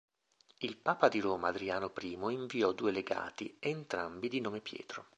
Il papa di Roma Adriano I inviò due legati, entrambi di nome Pietro.